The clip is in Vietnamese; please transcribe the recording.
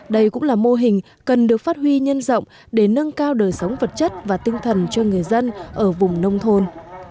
đây cũng là mô hình cần được phát huy nhân rộng để nâng cao đời sống vật chất và tinh thần cho người dân ở vùng nông thôn